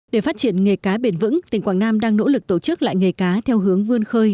để phát triển nghề cá bền vững tỉnh quảng nam đang nỗ lực tổ chức lại nghề cá theo hướng vươn khơi